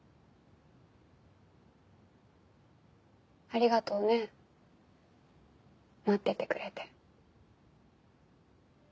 ありがとうね待っててくれて。